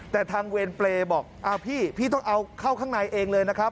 แต่ทางเวรเปรย์บอกพี่พี่ต้องเอาเข้าข้างในเองเลยนะครับ